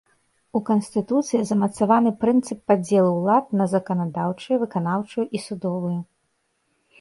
У канстытуцыі замацаваны прынцып падзелу ўлад на заканадаўчую, выканаўчую і судовую.